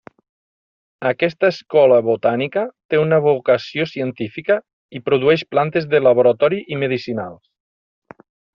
Aquesta escola botànica té una vocació científica i produeix plantes de laboratori i medicinals.